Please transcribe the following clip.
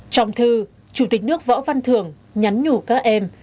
trong thư chủ tịch nước võ văn thường nhắn nhủ các em